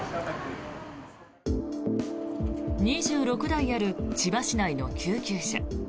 ２６台ある千葉市内の救急車。